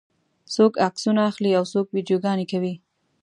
څوک عکسونه اخلي او څوک ویډیوګانې کوي.